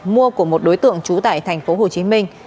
mua của một đối tượng trú tại thành phố hồ chí minh